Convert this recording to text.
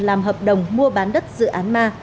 làm hợp đồng mua bán đất dự án ma